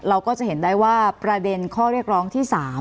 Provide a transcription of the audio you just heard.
เราก็จะเห็นได้ว่าประเด็นข้อเรียกร้องที่๓